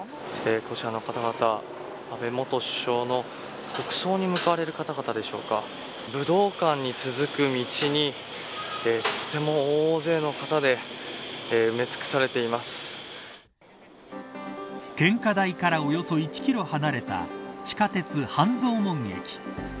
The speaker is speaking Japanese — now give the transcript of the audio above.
こちらの方々、安倍元首相の国葬に向かわれる方々でしょうか武道館に続く道にとても大勢の方で埋め尽くされていま献花台からおよそ１キロ離れた地下鉄、半蔵門駅。